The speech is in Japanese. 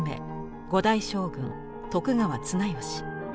五代将軍徳川綱吉。